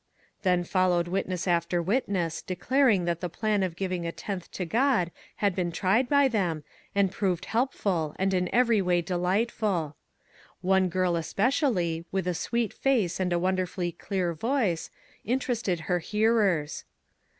Then followed witness after witness, declar ing that the plan of giving a tenth to God had been tried by them, and proved helpful and in every way delightful. One girl especially, with a sweet face and a wonderfully clear voice, in terested her hearers.